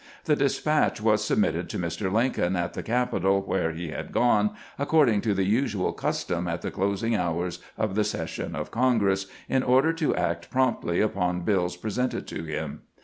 The despatch was submitted to Mr. Lincoln at the Capitol, where he had gone, ac cording to the usual custom at the closing hours of the session of Congress, in order to act promptly upon bills presented to him.